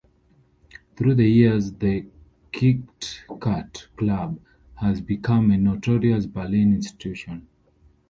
Through the years the KitKatClub has become a notorious Berlin institution.